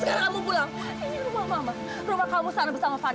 emangnya mama yang harus tanggung jawab